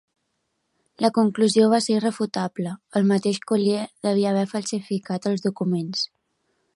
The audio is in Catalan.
La conclusió va ser irrefutable: el mateix Collier devia haver falsificat els documents.